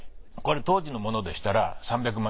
これ当時のものでしたら。